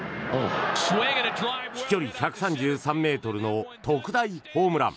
飛距離１３３ｍの特大ホームラン。